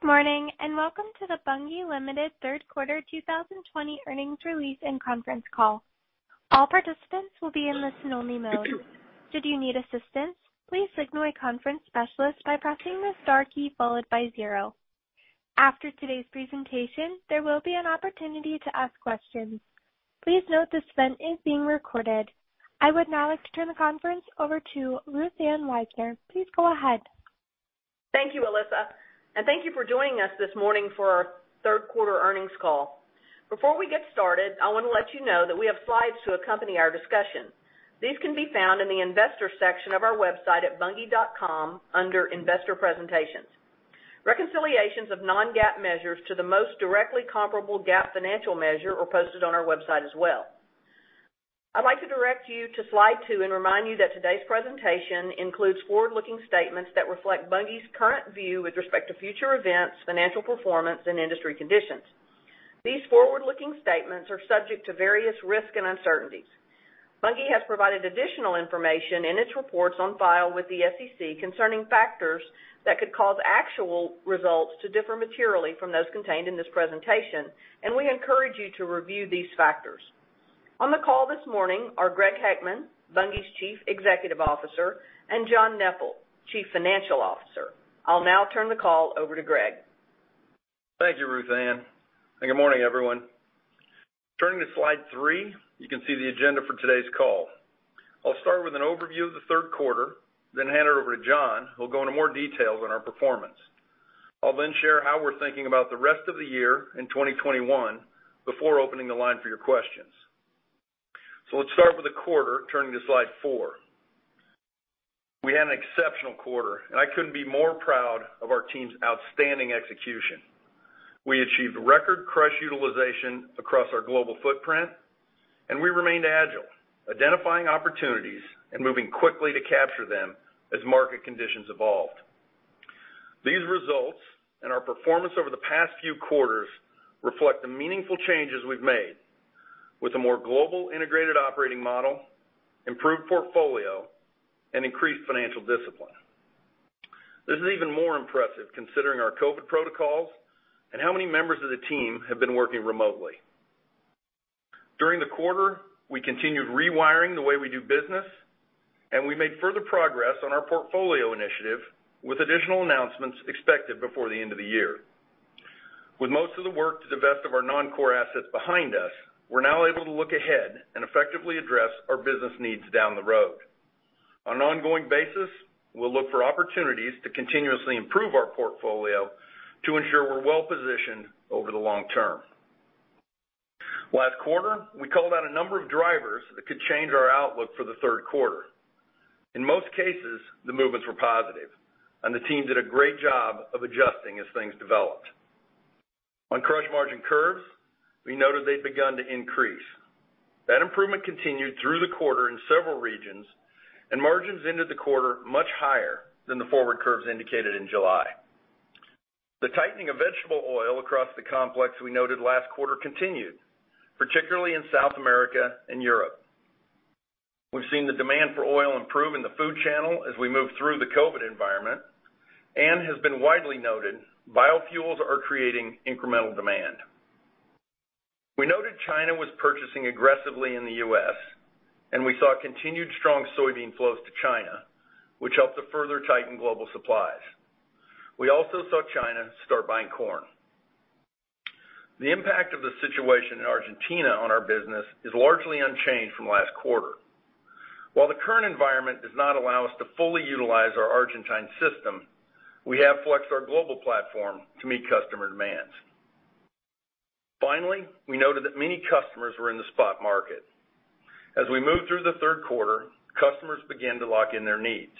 Good morning, welcome to the Bunge Limited Q3 2020 earnings release and conference call. All participants will be in listen only mode. Should you need assistance, please signal a conference specialist by pressing the star key followed by zero. After today's presentation, there will be an opportunity to ask questions. Please note this event is being recorded. I would now like to turn the conference over to Ruthanne Ann Wisner. Please go ahead. Thank you, Alyssa, and thank you for joining us this morning for our Q3 earnings call. Before we get started, I want to let you know that we have slides to accompany our discussion. These can be found in the investor section of our website at bunge.com under investor presentations. Reconciliations of non-GAAP measures to the most directly comparable GAAP financial measure are posted on our website as well. I'd like to direct you to slide two and remind you that today's presentation includes forward-looking statements that reflect Bunge's current view with respect to future events, financial performance and industry conditions. These forward-looking statements are subject to various risks and uncertainties. Bunge has provided additional information in its reports on file with the SEC concerning factors that could cause actual results to differ materially from those contained in this presentation, and we encourage you to review these factors. On the call this morning are Greg Heckman, Bunge's Chief Executive Officer, and John Neppl, Chief Financial Officer. I'll now turn the call over to Greg. Thank you, Ruth Ann, and good morning, everyone. Turning to slide three, you can see the agenda for today's call. I'll start with an overview of the Q3, then hand it over to John, who'll go into more details on our performance. I'll then share how we're thinking about the rest of the year in 2021 before opening the line for your questions. Let's start with the quarter. Turning to slide four. We had an exceptional quarter, and I couldn't be more proud of our team's outstanding execution. We achieved record crush utilization across our global footprint, and we remained agile, identifying opportunities and moving quickly to capture them as market conditions evolved. These results and our performance over the past few quarters reflect the meaningful changes we've made with a more global integrated operating model, improved portfolio, and increased financial discipline. This is even more impressive considering our COVID protocols and how many members of the team have been working remotely. During the quarter, we continued rewiring the way we do business, and we made further progress on our portfolio initiative with additional announcements expected before the end of the year. With most of the work to divest of our non-core assets behind us, we're now able to look ahead and effectively address our business needs down the road. On an ongoing basis, we'll look for opportunities to continuously improve our portfolio to ensure we're well-positioned over the long term. Last quarter, we called out a number of drivers that could change our outlook for the Q3. In most cases, the movements were positive and the team did a great job of adjusting as things developed. On crush margin curves, we noted they'd begun to increase. That improvement continued through the quarter in several regions, margins ended the quarter much higher than the forward curves indicated in July. The tightening of vegetable oil across the complex we noted last quarter continued, particularly in South America and Europe. We've seen the demand for oil improve in the food channel as we move through the COVID environment and has been widely noted, biofuels are creating incremental demand. We noted China was purchasing aggressively in the U.S., we saw continued strong soybean flows to China, which helped to further tighten global supplies. We also saw China start buying corn. The impact of the situation in Argentina on our business is largely unchanged from last quarter. While the current environment does not allow us to fully utilize our Argentine system, we have flexed our global platform to meet customer demands. Finally, we noted that many customers were in the spot market. As we moved through the Q3, customers began to lock in their needs.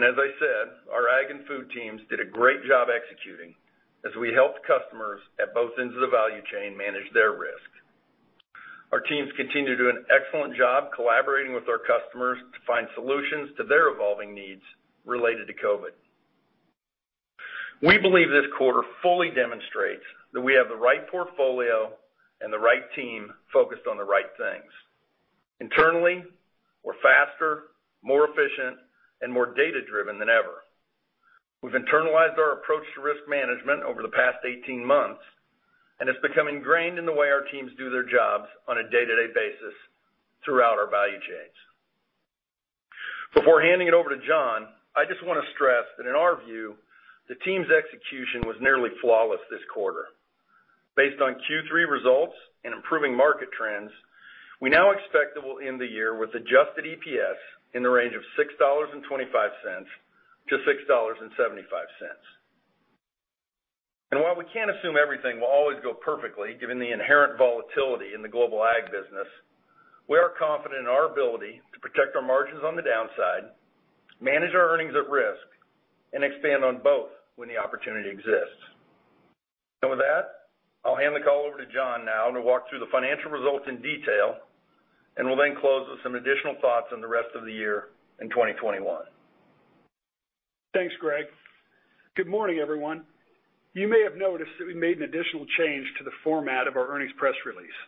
As I said, our agile improvement teams did a great job executing as we helped customers at both ends of the value chain manage their risk. Our teams continue to do an excellent job collaborating with our customers to find solutions to their evolving needs related to COVID. We believe this quarter fully demonstrates that we have the right portfolio and the right team focused on the right things. Internally, we're faster, more efficient, and more data-driven than ever. We've internalized our approach to risk management over the past 18 months, and it's become ingrained in the way our teams do their jobs on a day-to-day basis throughout our value chains. Before handing it over to John, I just want to stress that in our view, the team's execution was nearly flawless this quarter. Based on Q3 results and improving market trends, we now expect that we'll end the year with adjusted EPS in the range of $6.25 to $6.75. While we can't assume everything will always go perfectly, given the inherent volatility in the global ag business, we are confident in our ability to protect our margins on the downside, manage our earnings at risk, and expand on both when the opportunity exists. With that, I'll hand the call over to John now to walk through the financial results in detail, and we'll then close with some additional thoughts on the rest of the year in 2021. Thanks, Greg. Good morning, everyone. You may have noticed that we made an additional change to the format of our earnings press release.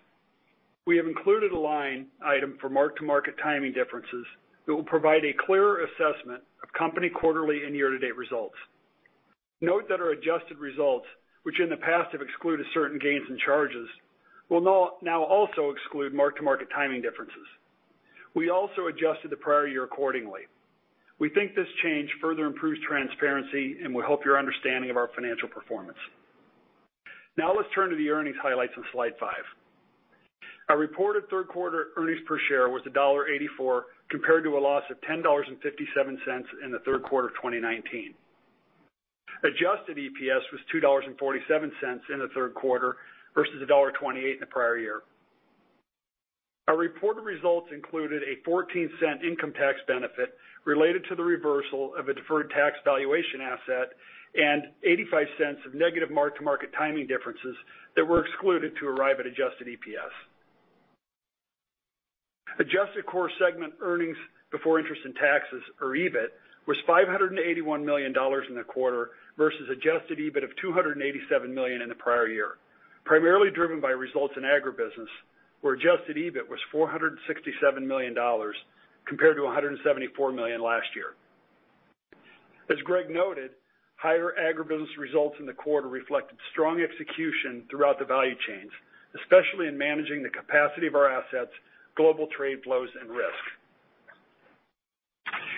We have included a line item for mark-to-market timing differences that will provide a clearer assessment of company quarterly and year-to-date results. Note that our adjusted results, which in the past have excluded certain gains and charges, will now also exclude mark-to-market timing differences. We also adjusted the prior year accordingly. We think this change further improves transparency and will help your understanding of our financial performance. Now let's turn to the earnings highlights on slide five. Our reported Q3 earnings per share was $1.84, compared to a loss of $10.57 in the Q3 of 2019. Adjusted EPS was $2.47 in the Q3 versus $1.28 in the prior year. Our reported results included a $0.14 income tax benefit related to the reversal of a deferred tax valuation asset, and $0.85 of negative mark-to-market timing differences that were excluded to arrive at adjusted EPS. Adjusted core segment earnings before interest and taxes, or EBIT, was $581 million in the quarter versus adjusted EBIT of $287 million in the prior year, primarily driven by results in agribusiness, where adjusted EBIT was $467 million compared to $174 million last year. As Greg noted, higher agribusiness results in the quarter reflected strong execution throughout the value chains, especially in managing the capacity of our assets, global trade flows, and risk.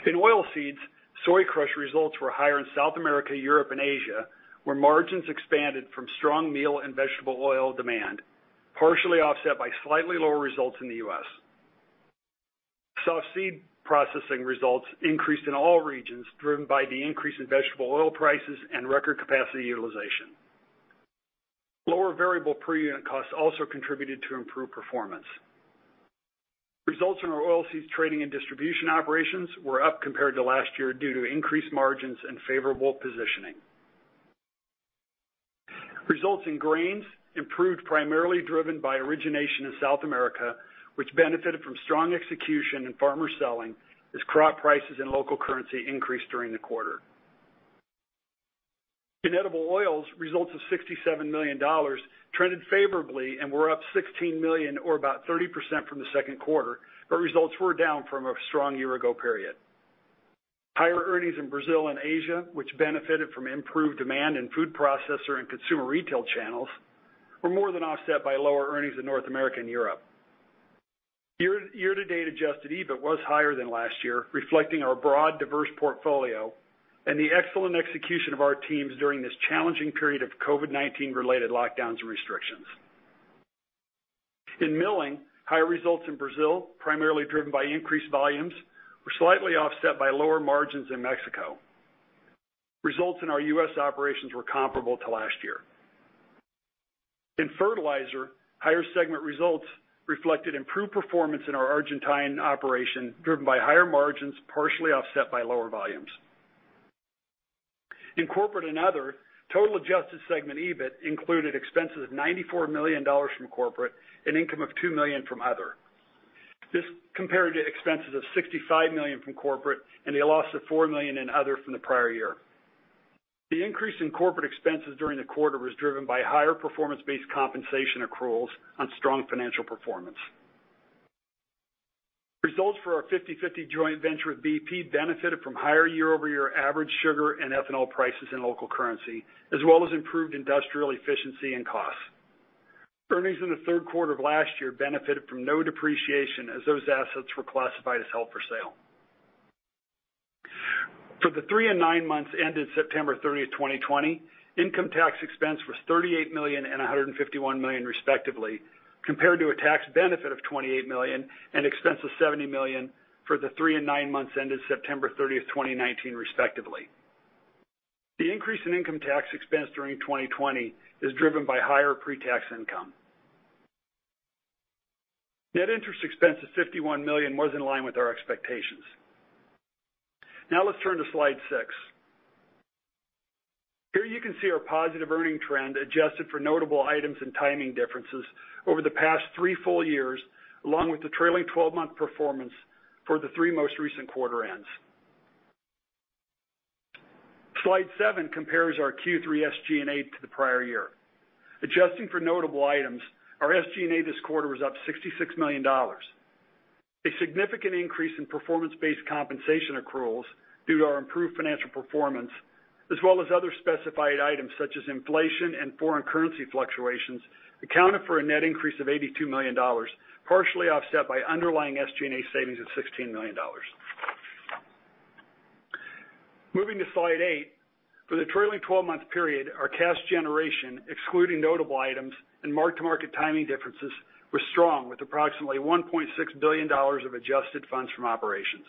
In oilseeds, soy crush results were higher in South America, Europe, and Asia, where margins expanded from strong meal and vegetable oil demand, partially offset by slightly lower results in the U.S. Soft seed processing results increased in all regions, driven by the increase in vegetable oil prices and record capacity utilization. Lower variable per-unit costs also contributed to improved performance. Results in our oilseeds trading and distribution operations were up compared to last year due to increased margins and favorable positioning. Results in grains improved primarily driven by origination in South America, which benefited from strong execution in farmer selling as crop prices and local currency increased during the quarter. In edible oils, results of $67 million trended favorably and were up $16 million, or about 30%, from the Q2, but results were down from a strong year ago period. Higher earnings in Brazil and Asia, which benefited from improved demand in food processor and consumer retail channels, were more than offset by lower earnings in North America and Europe. Year-to-date adjusted EBIT was higher than last year, reflecting our broad, diverse portfolio and the excellent execution of our teams during this challenging period of COVID-19 related lockdowns and restrictions. In milling, higher results in Brazil, primarily driven by increased volumes, were slightly offset by lower margins in Mexico. Results in our U.S. operations were comparable to last year. In fertilizer, higher segment results reflected improved performance in our Argentine operation, driven by higher margins, partially offset by lower volumes. In corporate and other, total adjusted segment EBIT included expenses of $94 million from corporate and income of $2 million from other. This compared to expenses of $65 million from corporate and a loss of $4 million in other from the prior year. The increase in corporate expenses during the quarter was driven by higher performance-based compensation accruals on strong financial performance. Results for our 50/50 joint venture with BP benefited from higher year-over-year average sugar and ethanol prices in local currency, as well as improved industrial efficiency and costs. Earnings in the Q3 of last year benefited from no depreciation as those assets were classified as held for sale. For the three and nine months ended September 30th, 2020, income tax expense was $38 million and $151 million respectively, compared to a tax benefit of $28 million and expense of $70 million for the three and nine months ended September 30th, 2019, respectively. The increase in income tax expense during 2020 is driven by higher pre-tax income. Net interest expense of $51 million was in line with our expectations. Now let's turn to slide six. Here you can see our positive earning trend adjusted for notable items and timing differences over the past three full years, along with the trailing 12-month performance for the three most recent quarter ends. Slide seven compares our Q3 SG&A to the prior year. Adjusting for notable items, our SG&A this quarter was up $66 million. A significant increase in performance-based compensation accruals due to our improved financial performance, as well as other specified items such as inflation and foreign currency fluctuations, accounted for a net increase of $82 million, partially offset by underlying SG&A savings of $16 million. Moving to slide eight. For the trailing 12-month period, our cash generation, excluding notable items and mark-to-market timing differences, was strong, with approximately $1.6 billion of adjusted funds from operations.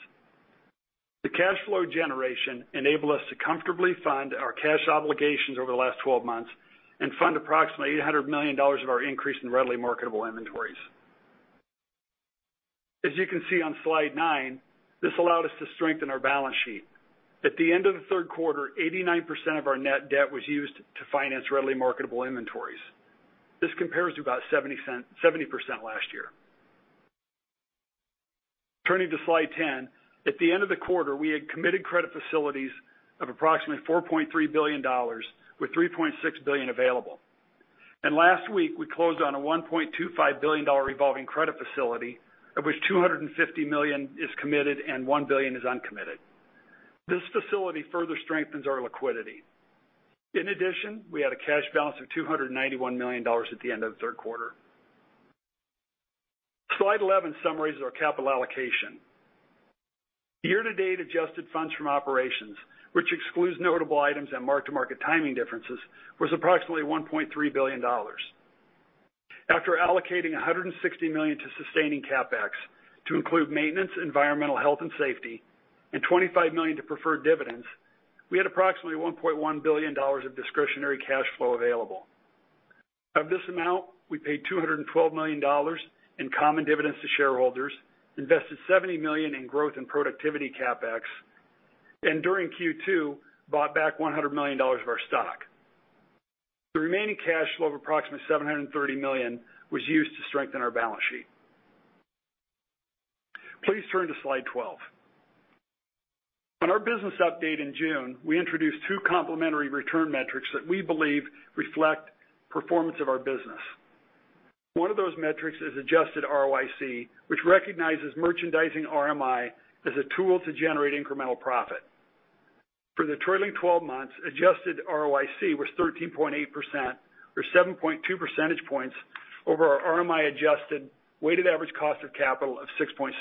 The cash flow generation enabled us to comfortably fund our cash obligations over the last 12 months and fund approximately $800 million of our increase in readily marketable inventories. As you can see on slide nine, this allowed us to strengthen our balance sheet. At the end of the Q3, 89% of our net debt was used to finance readily marketable inventories. This compares to about 70% last year. Turning to slide 10. At the end of the quarter, we had committed credit facilities of approximately $4.3 billion, with $3.6 billion available. Last week, we closed on a $1.25 billion revolving credit facility, of which $250 million is committed and $1 billion is uncommitted. This facility further strengthens our liquidity. In addition, we had a cash balance of $291 million at the end of the Q3. Slide 11 summarizes our capital allocation. Year-to-date adjusted funds from operations, which excludes notable items and mark-to-market timing differences, was approximately $1.3 billion. After allocating $160 million to sustaining CapEx to include maintenance, environmental health and safety, and $25 million to preferred dividends, we had approximately $1.1 billion of discretionary cash flow available. Of this amount, we paid $212 million in common dividends to shareholders, invested $70 million in growth and productivity CapEx, and during Q2, bought back $100 million of our stock. The remaining cash flow of approximately $730 million was used to strengthen our balance sheet. Please turn to slide 12. On our business update in June, we introduced two complementary return metrics that we believe reflect performance of our business. One of those metrics is adjusted ROIC, which recognizes merchandising RMI as a tool to generate incremental profit. For the trailing 12 months, adjusted ROIC was 13.8%, or 7.2 percentage points over our RMI-adjusted weighted average cost of capital of 6.6%.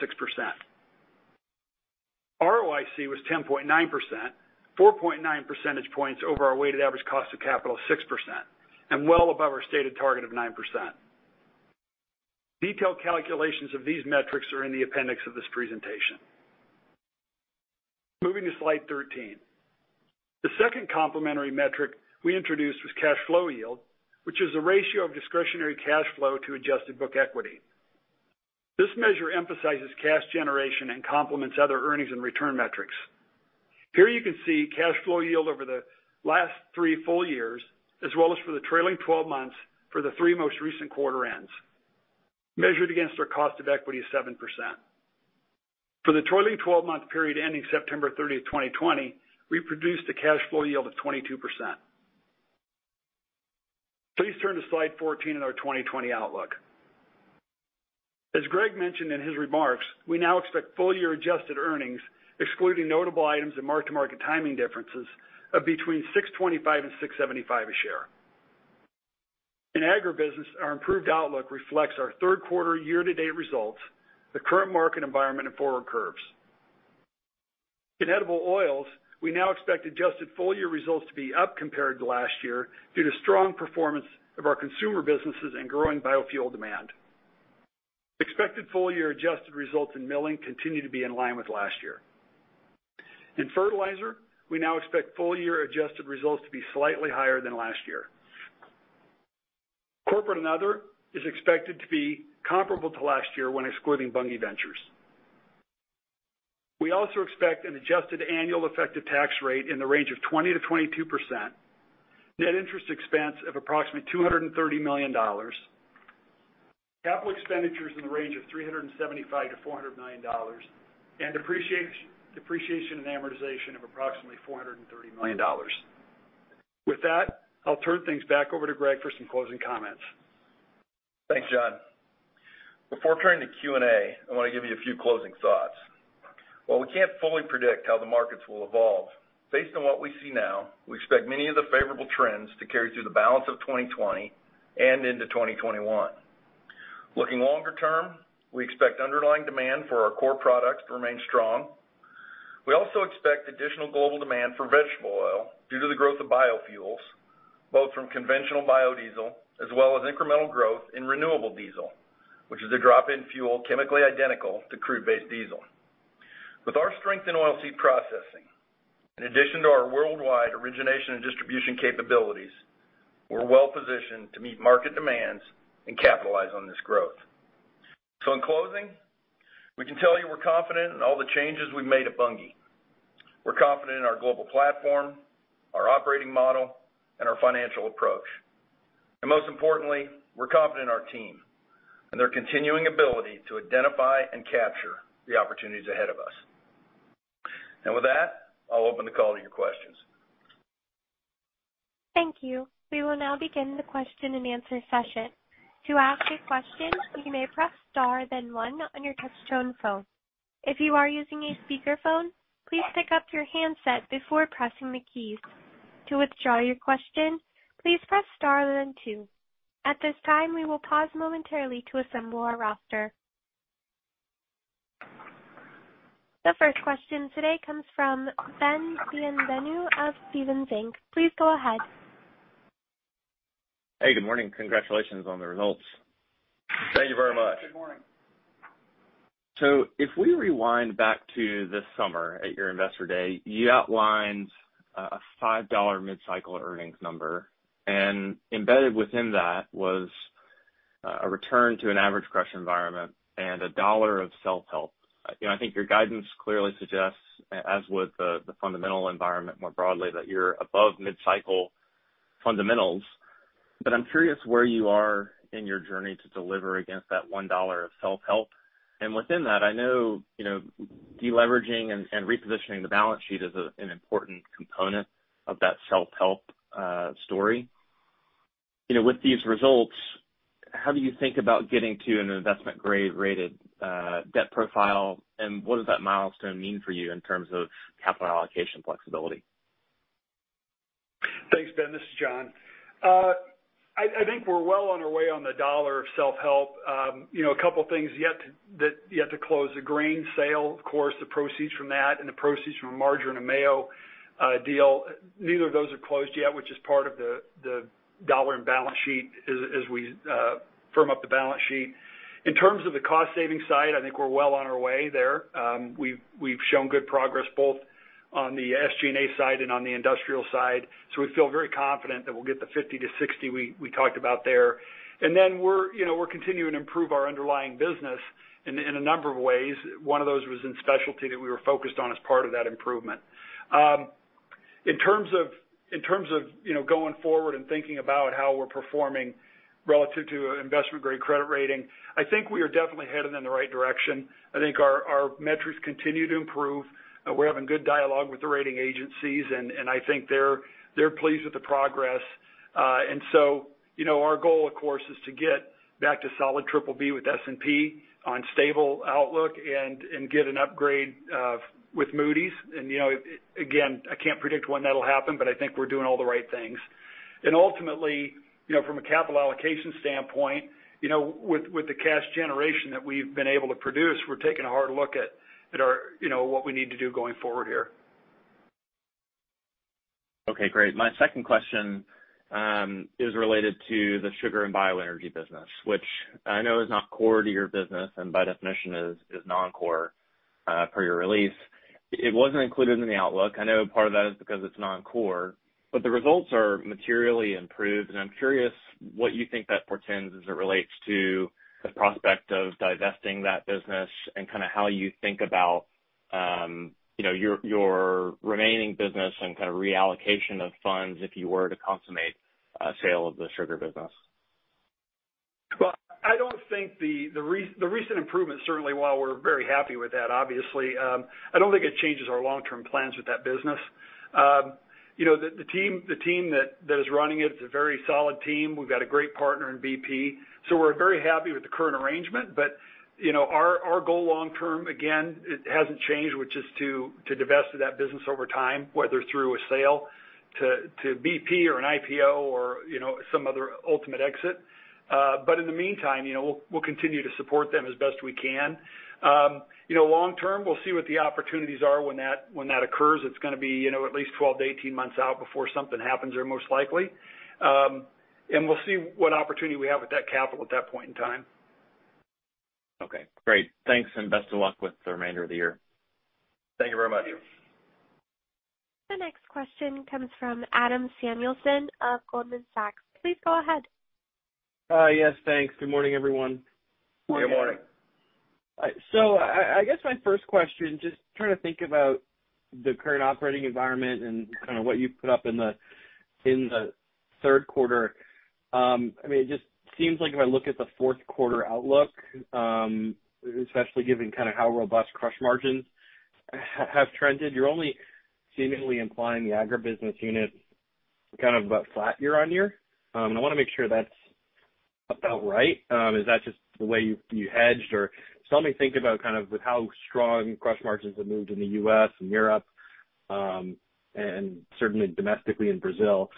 ROIC was 10.9%, 4.9 percentage points over our weighted average cost of capital 6%, and well above our stated target of 9%. Detailed calculations of these metrics are in the appendix of this presentation. Moving to slide 13. The second complementary metric we introduced was cash flow yield, which is the ratio of discretionary cash flow to adjusted book equity. This measure emphasizes cash generation and complements other earnings and return metrics. Here you can see cash flow yield over the last three full years, as well as for the trailing 12 months for the three most recent quarter ends, measured against our cost of equity of 7%. For the trailing 12-month period ending September 30, 2020, we produced a cash flow yield of 22%. Please turn to slide 14 in our 2020 outlook. As Greg mentioned in his remarks, we now expect full-year adjusted earnings, excluding notable items and mark-to-market timing differences, of between $6.25 and $6.75 a share. In agribusiness, our improved outlook reflects our Q3 year-to-date results, the current market environment and forward curves. In edible oils, we now expect adjusted full-year results to be up compared to last year due to strong performance of our consumer businesses and growing biofuel demand. Expected full-year adjusted results in milling continue to be in line with last year. In fertilizer, we now expect full-year adjusted results to be slightly higher than last year. Corporate and other is expected to be comparable to last year when excluding Bunge Ventures. We also expect an adjusted annual effective tax rate in the range of 20% to 22%, net interest expense of approximately $230 million, capital expenditures in the range of $375 million to $400 million, and depreciation and amortization of approximately $430 million. With that, I'll turn things back over to Greg for some closing comments. Thanks, John. Before turning to Q&A, I want to give you a few closing thoughts. While we can't fully predict how the markets will evolve, based on what we see now, we expect many of the favorable trends to carry through the balance of 2020 and into 2021. Looking longer term, we expect underlying demand for our core products to remain strong. We also expect additional global demand for vegetable oil due to the growth of biofuels, both from conventional biodiesel as well as incremental growth in renewable diesel, which is a drop-in fuel chemically identical to crude-based diesel. With our strength in oil seed processing, in addition to our worldwide origination and distribution capabilities, we're well-positioned to meet market demands and capitalize on this growth. For closing, we can tell you we're confident in all the changes we've made at Bunge. We're confident in our global platform, our operating model, and our financial approach. Most importantly, we're confident in our team and their continuing ability to identify and capture the opportunities ahead of us. With that, I'll open the call to your questions. Thank you. We will now begin the question and answer session. To ask a question, you may press star and then one on your touchtone phone. If you are using a speakerphone, please pick up your handset before pressing the keys. To withdraw your question, please press star then two. At this time, we will pause momentarily to assemble the roster. The first question today comes from Ben Bienvenu of Stephens Inc. Please go ahead. Hey, good morning. Congratulations on the results. Thank you very much. Good morning. If we rewind back to this summer at your Investor Day, you outlined a $5 mid-cycle earnings number, and embedded within that was a return to an average crush environment and $1 of self-help. I think your guidance clearly suggests, as with the fundamental environment more broadly, that you're above mid-cycle fundamentals. I'm curious where you are in your journey to deliver against that $1 of self-help. Within that, I know de-leveraging and repositioning the balance sheet is an important component of that self-help story. With these results, how do you think about getting to an investment-grade rated debt profile and what does that milestone mean for you in terms of capital allocation flexibility? Thanks, Ben. This is John. I think we're well on our way on the dollar of self-help. A couple of things, you have to close the grain sale, of course, the proceeds from that, and the proceeds from a margarine and mayo deal. Neither of those are closed yet, which is part of the dollar and balance sheet as we firm up the balance sheet. In terms of the cost-saving side, I think we're well on our way there. We've shown good progress both on the SG&A side and on the industrial side. We feel very confident that we'll get the 50 to 60 we talked about there. And then we're continuing to improve our underlying business in a number of ways. One of those was in specialty that we were focused on as part of that improvement. In terms of going forward and thinking about how we're performing relative to investment-grade credit rating, I think we are definitely headed in the right direction. I think our metrics continue to improve. We're having good dialogue with the rating agencies, and I think they're pleased with the progress. Our goal, of course, is to get back to solid triple B with S&P on stable outlook and get an upgrade with Moody's. I can't predict when that'll happen, but I think we're doing all the right things. Ultimately, from a capital allocation standpoint, with the cash generation that we've been able to produce, we're taking a hard look at what we need to do going forward here. Okay, great. My second question is related to the sugar and bioenergy business, which I know is not core to your business and by definition is non-core per your release. It wasn't included in the outlook. I know part of that is because it's non-core, but the results are materially improved, and I'm curious what you think that portends as it relates to the prospect of divesting that business and kind of how you think about your remaining business and kind of reallocation of funds if you were to consummate a sale of the sugar business. Well, I don't think the recent improvements, certainly while we're very happy with that, obviously, I don't think it changes our long-term plans with that business. The team that is running it is a very solid team. We've got a great partner in BP. We're very happy with the current arrangement. Our goal long term, again, it hasn't changed, which is to divest of that business over time, whether through a sale to BP or an IPO or some other ultimate exit. In the meantime, we'll continue to support them as best we can. Long term, we'll see what the opportunities are when that occurs. It's going to be at least 12 to 18 months out before something happens there most likely. We'll see what opportunity we have with that capital at that point in time. Okay, great. Thanks, and best of luck with the remainder of the year. Thank you very much. The next question comes from Adam Samuelson of Goldman Sachs. Please go ahead. Yes, thanks. Good morning, everyone. Good morning. So I guess my first question, just trying to think about the current operating environment and kind of what you put up in the Q3. It just seems like if I look at the Q4 outlook, especially given kind of how robust crush margins have trended, you're only seemingly implying the agribusiness unit kind of about flat year-on-year. I want to make sure that's about right. Is that just the way you hedged? Just help me think about kind of with how strong crush margins have moved in the U.S. and Europe, and certainly domestically in Brazil,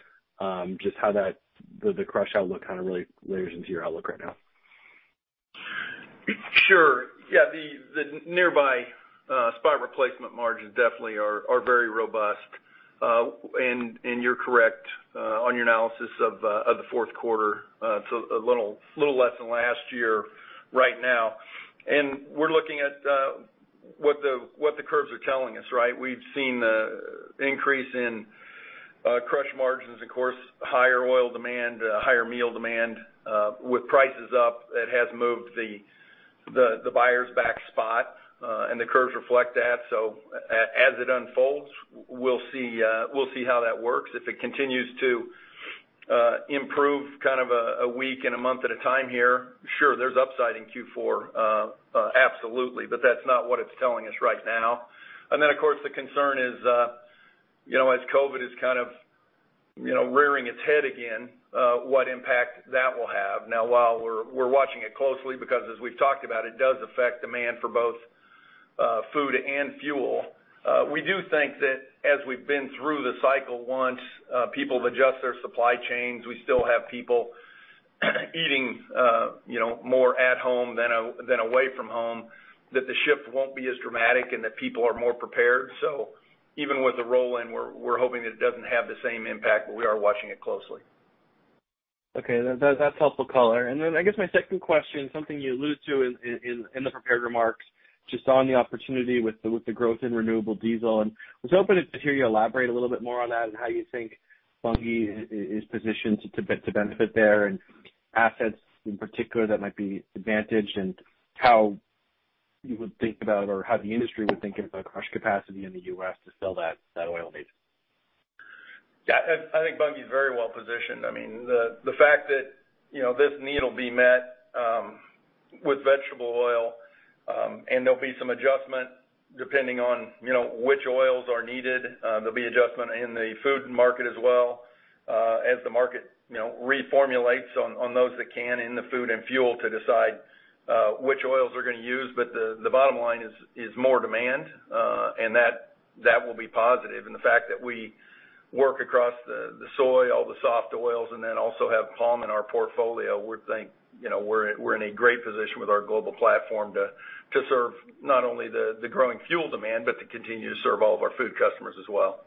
just how the crush outlook kind of really layers into your outlook right now? Sure. Yeah, the nearby spot replacement margins definitely are very robust. You're correct on your analysis of the Q4. It's a little less than last year right now. We're looking at what the curves are telling us, right? We've seen the increase in crush margins, of course, higher oil demand, higher meal demand. With prices up, it has moved the buyers back spot, and the curves reflect that. As it unfolds, we'll see how that works. If it continues to improve kind of a week and a month at a time here, sure, there's upside in Q4 absolutely, but that's not what it's telling us right now. Then, of course, the concern is as COVID is kind of rearing its head again, what impact that will have. While we're watching it closely because as we've talked about, it does affect demand for both food and fuel. We do think that as we've been through the cycle once, people have adjusted their supply chains. We still have people eating more at home than away from home, that the shift won't be as dramatic and that people are more prepared. Even with the roll-in, we're hoping it doesn't have the same impact, but we are watching it closely. Okay, that's helpful color. I guess my second question, something you allude to in the prepared remarks, just on the opportunity with the growth in renewable diesel. I was hoping to hear you elaborate a little bit more on that and how you think Bunge is positioned to benefit there and assets in particular that might be advantaged and how you would think about or how the industry would think about crush capacity in the U.S. to sell that oil need. Yeah, I think Bunge is very well positioned. The fact that this need will be met with vegetable oil, and there'll be some adjustment depending on which oils are needed. There'll be adjustment in the food market as well, as the market reformulates on those that can in the food and fuel to decide which oils they're going to use. The bottom line is more demand, and that will be positive. The fact that we work across the soy, all the soft oils, and then also have palm in our portfolio, we think we're in a great position with our global platform to serve not only the growing fuel demand, but to continue to serve all of our food customers as well.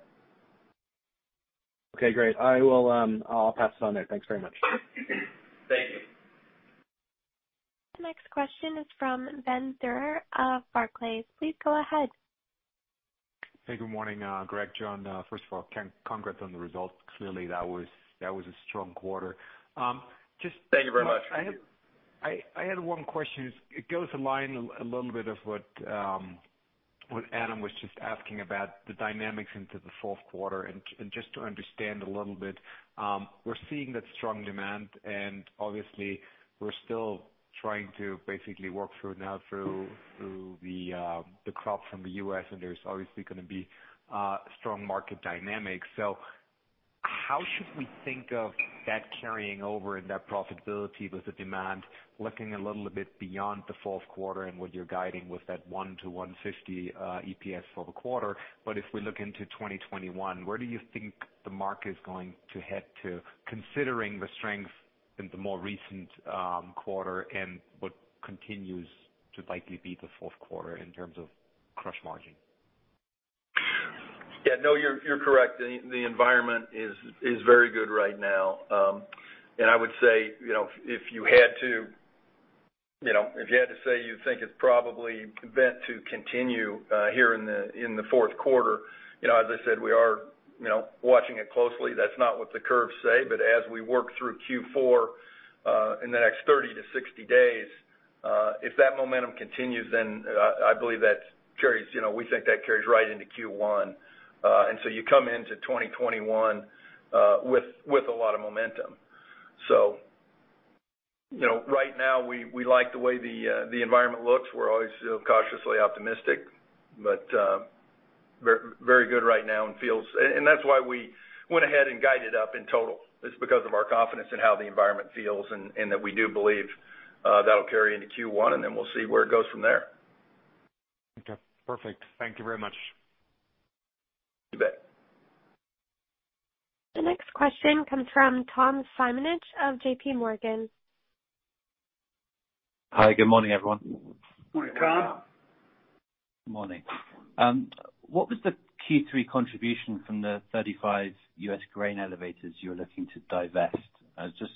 Okay, great. I'll pass it on there. Thanks very much. Thank you. The next question is from Benjamin Theurer of Barclays. Please go ahead. Hey, good morning, Greg, John. First of all, congrats on the results. Clearly, that was a strong quarter. Thank you very much. I had one question. It goes in line a little bit of what Adam was just asking about the dynamics into the Q4. Just to understand a little bit, we're seeing that strong demand, and obviously we're still trying to basically work through now through the crop from the U.S., and there's obviously going to be strong market dynamics. How should we think of that carrying over into that profitability with the demand looking a little bit beyond the Q4 and what you're guiding with that $1.00 to $1.50 EPS for the quarter? If we look into 2021, where do you think the market is going to head to, considering the strength in the more recent quarter and what continues to likely be the Q4 in terms of crush margin? Yeah, no, you're correct. The environment is very good right now. I would say, if you had to say you think it's probably bent to continue here in the Q4, as I said, we are watching it closely. That's not what the curves say. As we work through Q4 in the next 30 to 60 days, if that momentum continues, then I believe we think that carries right into Q1. You come into 2021 with a lot of momentum. So right now, we like the way the environment looks. We're always cautiously optimistic, but very good right now. That's why we went ahead and guided up in total, is because of our confidence in how the environment feels and that we do believe that'll carry into Q1, and then we'll see where it goes from there. Okay, perfect. Thank you very much. Thank you Benjamin. The next question comes from Tom Simonitsch of J.P. Morgan. Hi, good morning, everyone. Good morning, Tom. Good morning. What was the Q3 contribution from the 35 U.S. grain elevators you're looking to divest? I was just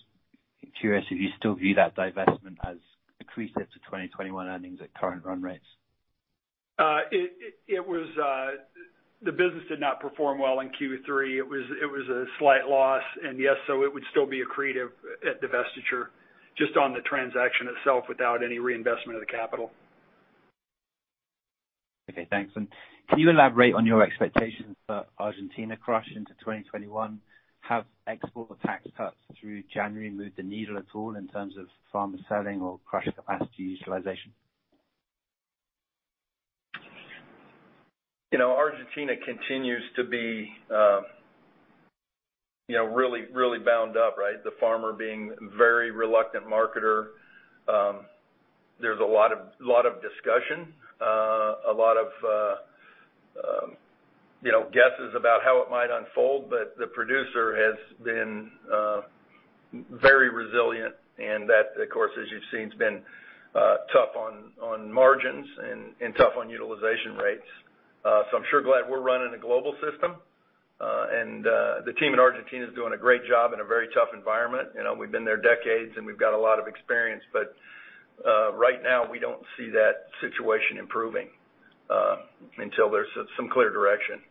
curious if you still view that divestment as accretive to 2021 earnings at current run rates. The business did not perform well in Q3. It was a slight loss. It would still be accretive at divestiture just on the transaction itself without any reinvestment of the capital. Okay, thanks. Can you elaborate on your expectations for Argentina crush into 2021? Have export tax cuts through January moved the needle at all in terms of farmer selling or crush capacity utilization? You know Argentina continues to be really bound up, right? The farmer being very reluctant marketer. There's a lot of discussion, a lot of guesses about how it might unfold. The producer has been very resilient, and that, of course, as you've seen, has been tough on margins and tough on utilization rates. I'm sure glad we're running a global system. The team in Argentina is doing a great job in a very tough environment. We've been there decades, and we've got a lot of experience. But right now, we don't see that situation improving until there's some clear direction.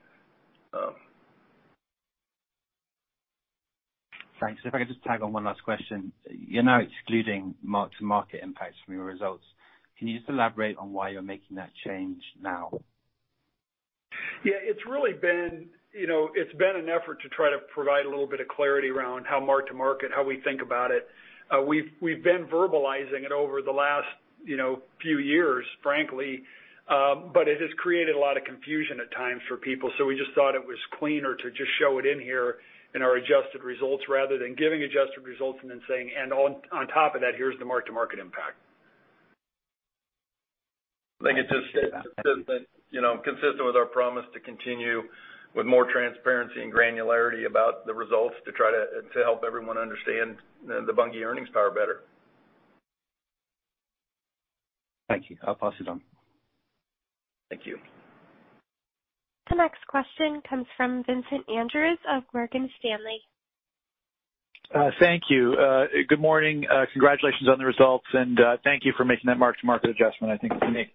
Thanks. If I could just tag on one last question. You're now excluding mark-to-market impacts from your results. Can you just elaborate on why you're making that change now? Yeah it's been an effort to try to provide a little bit of clarity around how mark-to-market, how we think about it. We've been verbalizing it over the last few years, frankly, but it has created a lot of confusion at times for people. We just thought it was cleaner to just show it in here in our adjusted results rather than giving adjusted results and then saying, "And on top of that, here's the mark-to-market impact." I mean its consistent with our promise to continue with more transparency and granularity about the results to try to help everyone understand the Bunge earnings power better. Thank you. I'll pass it on. Thank you. The next question comes from Vincent Andrews of Morgan Stanley. Thank you. Good morning. Congratulations on the results, and thank you for making that mark-to-market adjustment. I think it's made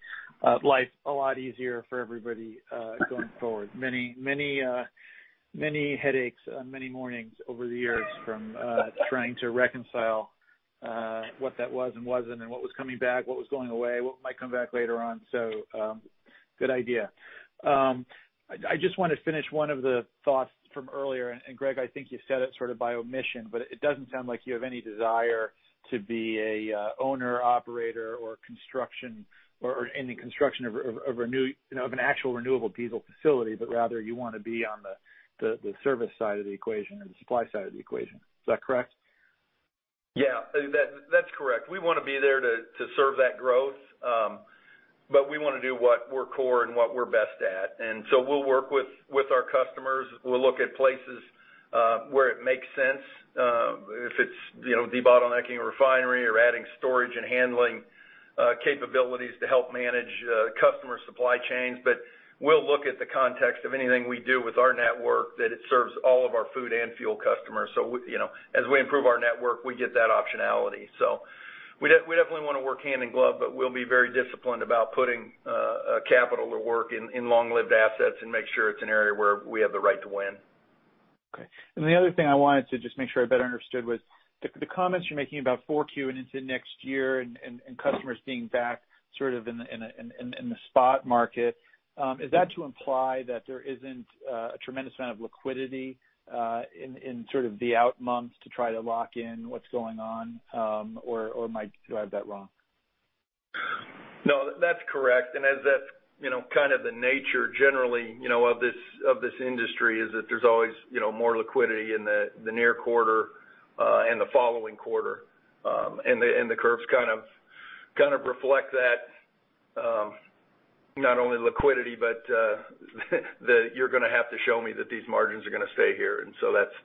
life a lot easier for everybody going forward. Many headaches on many mornings over the years from trying to reconcile what that was and wasn't, and what was coming back, what was going away, what might come back later on. Good idea. I just want to finish one of the thoughts from earlier, and Greg, I think you said it sort of by omission, but it doesn't sound like you have any desire to be an owner, operator, or in the construction of an actual renewable diesel facility, but rather you want to be on the service side of the equation or the supply side of the equation. Is that correct? Yeah. That's correct. We want to be there to serve that growth. We want to do what we're core and what we're best at. We'll work with our customers. We'll look at places where it makes sense, if it's debottlenecking a refinery or adding storage and handling capabilities to help manage customer supply chains. We'll look at the context of anything we do with our network, that it serves all of our food and fuel customers. As we improve our network, we get that optionality. So we definitely want to work hand in glove, but we'll be very disciplined about putting CapEx to work in long-lived assets and make sure it's an area where we have the right to win. Okay. The other thing I wanted to just make sure I better understood was the comments you're making about 4Q and into next year and customers being back sort of in the spot market. Is that to imply that there isn't a tremendous amount of liquidity in sort of the out months to try to lock in what's going on? Do I have that wrong? No, that's correct. As that's kind of the nature generally, of this industry, is that there's always more liquidity in the near quarter and the following quarter. The curves kind of reflect that not only liquidity, but that you're going to have to show me that these margins are going to stay here.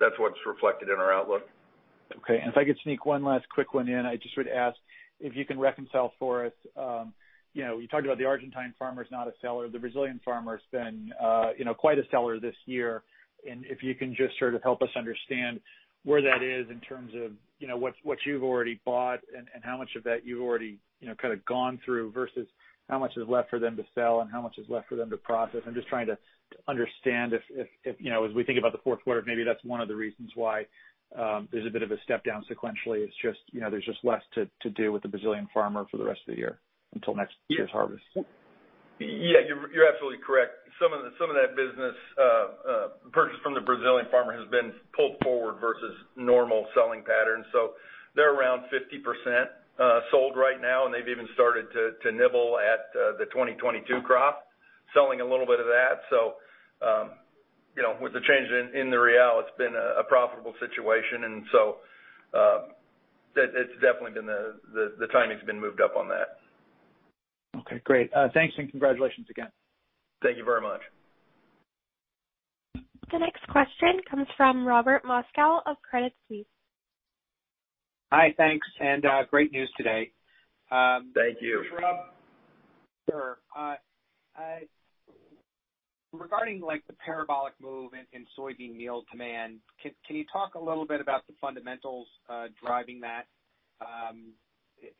That's what's reflected in our outlook. Okay. If I could sneak one last quick one in, I just would ask if you can reconcile for us. You talked about the Argentine farmer's not a seller. The Brazilian farmer's been quite a seller this year. If you can just sort of help us understand where that is in terms of what you've already bought and how much of that you've already kind of gone through versus how much is left for them to sell and how much is left for them to process. I'm just trying to understand if as we think about the Q4, maybe that's one of the reasons why there's a bit of a step down sequentially is just there's just less to do with the Brazilian farmer for the rest of the year until next year's harvest. Yeah, you're absolutely correct. Some of that business purchased from the Brazilian farmer has been pulled forward versus normal selling patterns. They're around 50% sold right now, and they've even started to nibble at the 2022 crop, selling a little bit of that. With the change in the real, it's been a profitable situation. It's definitely been the timing's been moved up on that. Okay, great. Thanks, and congratulations again. Thank you very much. The next question comes from Robert Moskow of Credit Suisse. Hi, thanks, and great news today. Thank you. This is Robert. Sure. Regarding the parabolic move in soybean meal demand, can you talk a little bit about the fundamentals driving that?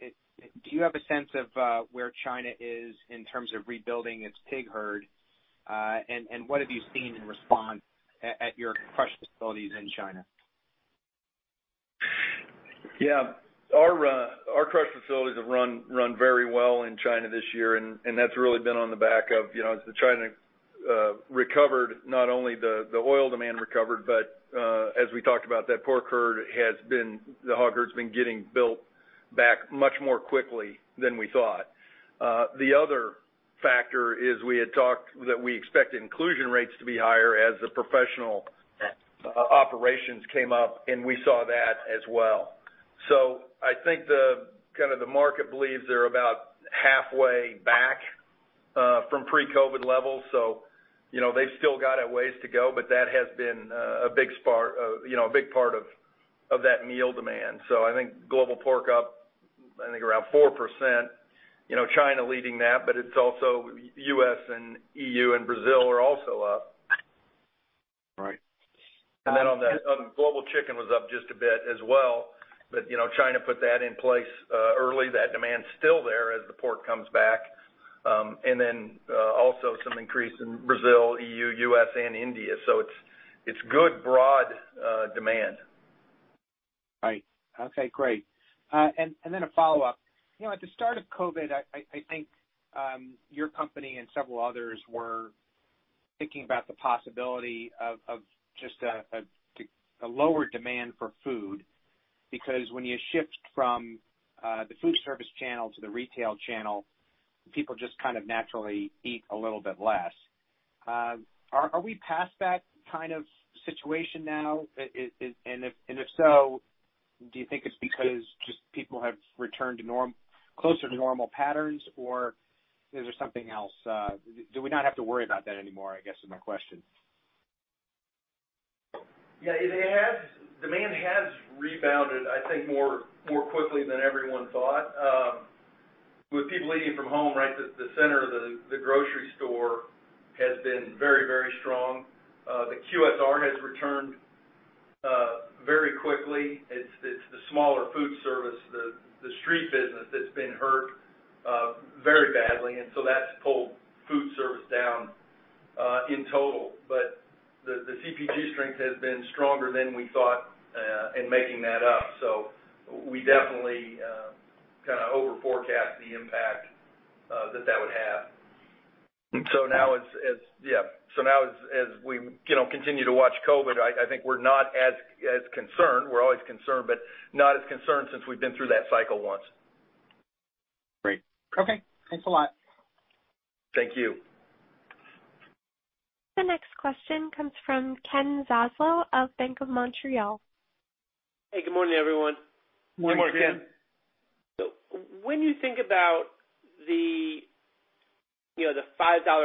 Do you have a sense of where China is in terms of rebuilding its pig herd? What have you seen in response at your crush facilities in China? Our crush facilities have run very well in China this year, and that's really been on the back of as China recovered, not only the oil demand recovered, but as we talked about, the hog herd's been getting built back much more quickly than we thought. The other factor is we had talked that we expected inclusion rates to be higher as the professional operations came up, and we saw that as well. I think kind of the market believes they're about halfway back from pre-COVID levels, so they've still got a ways to go. That has been a big part of that meal demand. I think global pork up, I think around 4%, China leading that, but it's also U.S. and E.U. and Brazil are also up. Right. On that, global chicken was up just a bit as well. China put that in place early. That demand's still there as the pork comes back. Also some increase in Brazil, EU, U.S., and India. It's good, broad demand. Right. Okay, great. A follow-up. At the start of COVID, I think your company and several others were thinking about the possibility of just a lower demand for food because when you shift from the food service channel to the retail channel, people just kind of naturally eat a little bit less. Are we past that kind of situation now? If so, do you think it's because just people have returned closer to normal patterns, or is there something else? Do we not have to worry about that anymore, I guess, is my question. Yeah. Demand has rebounded, I think, more quickly than everyone thought. With people eating from home, right at the center of the grocery store has been very strong. The QSR has returned very quickly. It's the smaller food service, the street business that's been hurt very badly. That's pulled food service down in total. The CPG strength has been stronger than we thought in making that up. We definitely over-forecast the impact that that would have. Now as we continue to watch COVID, I think we're not as concerned. We're always concerned, but not as concerned since we've been through that cycle once. Great. Okay, thanks a lot. Thank you. The next question comes from Ken Zaslow of BMO Capital Markets. Hey, good morning, everyone. Good morning, Ken. When you think about the $5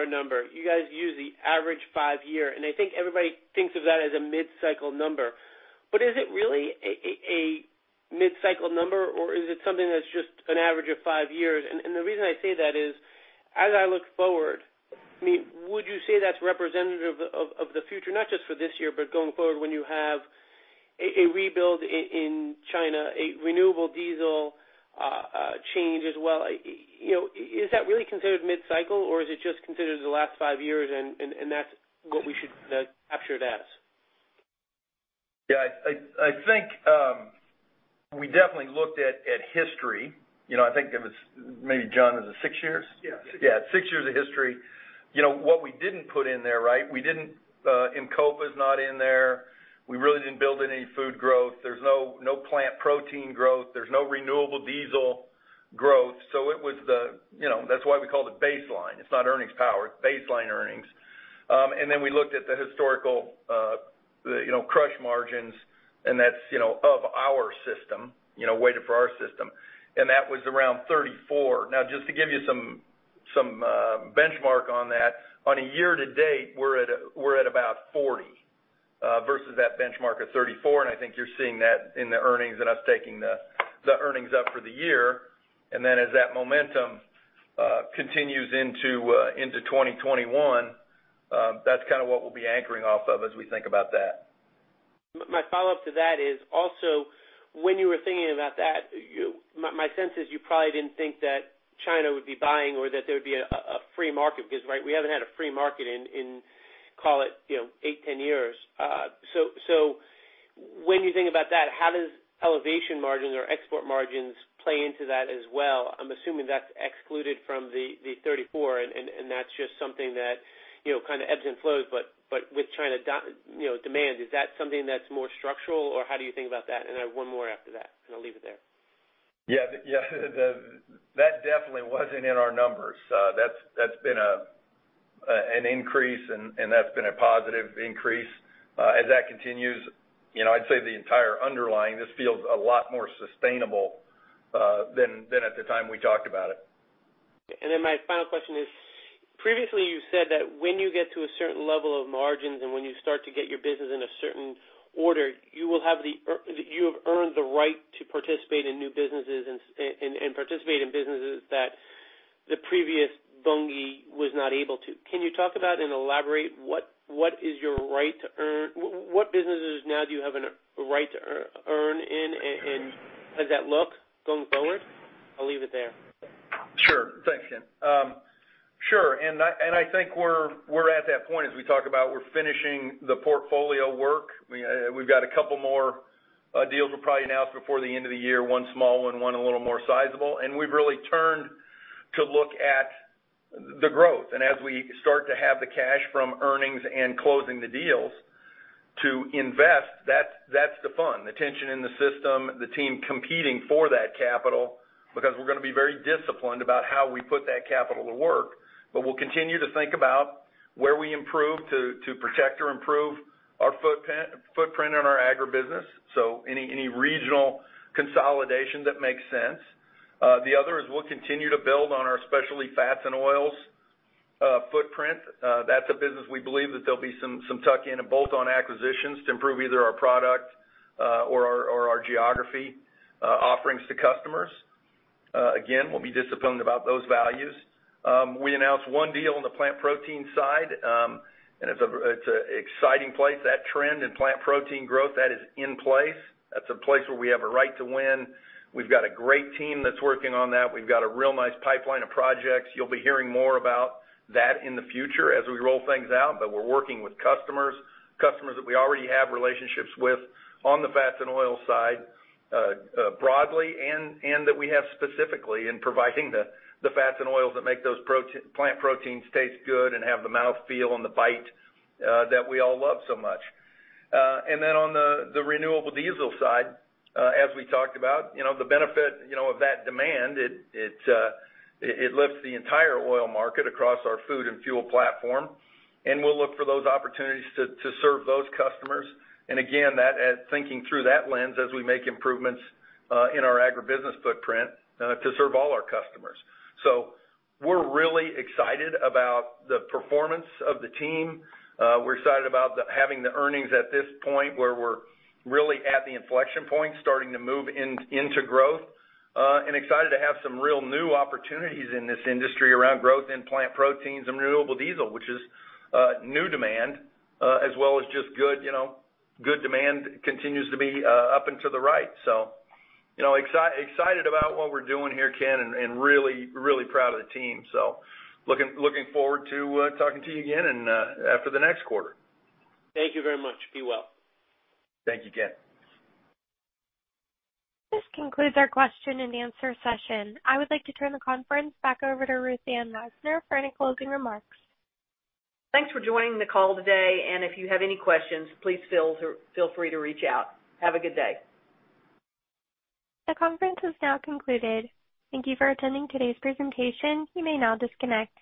number, you guys use the average five year, and I think everybody thinks of that as a mid-cycle number. Is it really a mid-cycle number or is it something that's just an average of five years? The reason I say that is as I look forward, would you say that's representative of the future, not just for this year, but going forward when you have a rebuild in China, a renewable diesel change as well? Is that really considered mid-cycle, or is it just considered the last five years, and that's what we should capture it as? Yeah. I think we definitely looked at history. I think it was maybe John, is it six years? Yeah. Yeah. Six years of history. What we didn't put in there, right, we didnt, in is not in there. We really didn't build any food growth. There's no plant protein growth. There's no renewable diesel growth. That's why we call it baseline. It's not earnings power, it's baseline earnings. We looked at the historical crush margins, and that's of our system, weighted for our system, and that was around 34. Just to give you some benchmark on that, on a year-to-date, we're at about 40 versus that benchmark of 34, and I think you're seeing that in the earnings and us taking the earnings up for the year. As that momentum continues into 2021, that's kind of what we'll be anchoring off of as we think about that. My follow-up to that is also when you were thinking about that, my sense is you probably didn't think that China would be buying or that there would be a free market because we haven't had a free market in call it eight, 10 years. When you think about that, how does elevation margins or export margins play into that as well? I'm assuming that's excluded from the 34, and that's just something that kind of ebbs and flows. With China demand, is that something that's more structural, or how do you think about that? I have one more after that, and I'll leave it there. Yeah. That definitely wasn't in our numbers. That's been an increase, and that's been a positive increase. As that continues, I'd say the entire underlying just feels a lot more sustainable than at the time we talked about it. My final question is, previously you said that when you get to a certain level of margins and when you start to get your business in a certain order, you have earned the right to participate in new businesses and participate in businesses that the previous Bunge was not able to. Can you talk about and elaborate what businesses now do you have a right to earn in, and how does that look going forward? I'll leave it there. Sure. Thanks, Ken. Sure. I think we're at that point as we talk about we're finishing the portfolio work. We've got a couple more deals we'll probably announce before the end of the year, one small one a little more sizable, and we've really turned to look at the growth. As we start to have the cash from earnings and closing the deals to invest, that's the fun, the tension in the system, the team competing for that capital, because we're going to be very disciplined about how we put that capital to work. We'll continue to think about where we improve to protect or improve our footprint in our agribusiness. Any regional consolidation that makes sense. The other is we'll continue to build on our specialty fats and oils footprint. That's a business we believe that there'll be some tuck in and bolt-on acquisitions to improve either our product or our geography offerings to customers. Again, we'll be disciplined about those values. We announced one deal on the plant protein side, and it's an exciting place. That trend in plant protein growth, that is in place. That's a place where we have a right to win. We've got a great team that's working on that. We've got a real nice pipeline of projects. You'll be hearing more about that in the future as we roll things out. We're working with customers that we already have relationships with on the fats and oils side broadly, and that we have specifically in providing the fats and oils that make those plant proteins taste good and have the mouthfeel and the bite that we all love so much. Then on the renewable diesel side, as we talked about, the benefit of that demand, it lifts the entire oil market across our food and fuel platform, and we'll look for those opportunities to serve those customers. Again, thinking through that lens as we make improvements in our agribusiness footprint to serve all our customers. So we're really excited about the performance of the team. We're excited about having the earnings at this point where we're really at the inflection point, starting to move into growth, and excited to have some real new opportunities in this industry around growth in plant proteins and renewable diesel, which is new demand as well as just good demand continues to be up and to the right. Excited about what we're doing here, Ken, and really proud of the team. Looking forward to talking to you again and after the next quarter. Thank you very much. Be well. Thank you, Ken. This concludes our question and answer session. I would like to turn the conference back over to Ruth Ann Wisener for any closing remarks. Thanks for joining the call today, and if you have any questions, please feel free to reach out. Have a good day. The conference is now concluded. Thank you for attending today's presentation. You may now disconnect.